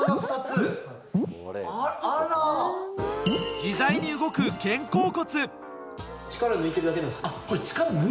自在に動く肩甲骨！